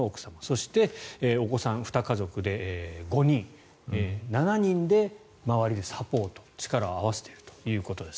そして、お子さん２家族で５人７人で周りでサポート力を合わせているということです。